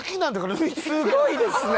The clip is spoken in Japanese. すごいですね！